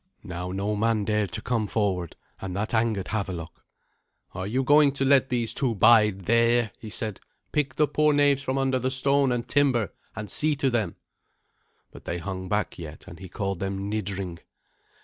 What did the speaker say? Now no man dared to come forward, and that angered Havelok. "Are you going to let these two bide there?" he said. "Pick the poor knaves from under the stone and timber, and see to them." But they hung back yet, and he called them "nidring."